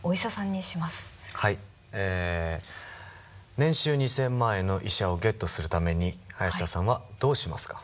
年収２，０００万円の医者をゲットするために林田さんはどうしますか？